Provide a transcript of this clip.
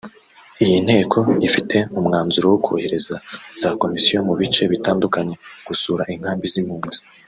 Iyi Nteko ifite umwanzuro wo kohereza za komisiyo mu bice bitandukanye gusura inkambi z’impunzi